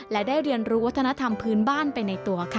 และได้เรียนรู้วัฒนธรรมพื้นบ้านไปในตัวค่ะ